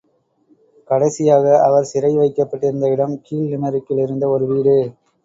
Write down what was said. கடைசியாக அவர் சிறை வைக்கப்பட்டிருந்த இடம் கீழ் லிமெரிக்கிலிருந்த ஒரு வீடு.